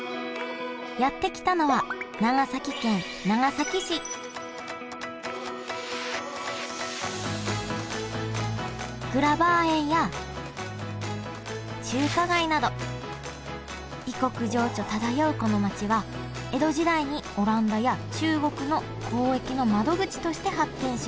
やって来たのは長崎県長崎市グラバー園や中華街など異国情緒漂うこの街は江戸時代にオランダや中国の交易の窓口として発展しました